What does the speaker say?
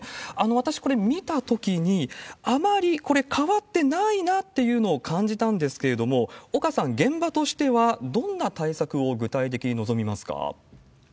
私、これ、見たときに、あまりこれ、変わってないなというのを感じたんですけれども、岡さん、現場としてはどんな対策を具体的に望みますか？